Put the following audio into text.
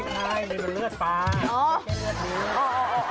ใช่มันเป็นเลือดปลาไม่ใช่เลือดนิ้ว